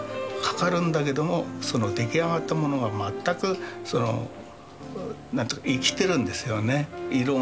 かかるんだけども出来上がったものが全く生きてるんですよね。